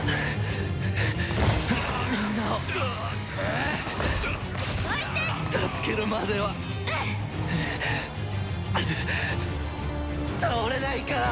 みんなを助けるまでは倒れないから！